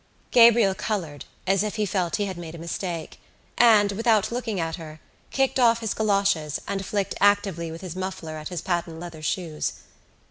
Gabriel coloured as if he felt he had made a mistake and, without looking at her, kicked off his goloshes and flicked actively with his muffler at his patent leather shoes.